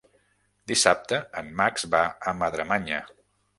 Dissabte en Max va a Madremanya.